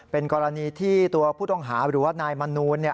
เป็นกรณีที่ตัวผู้ต้องหาหรือว่านายมนูล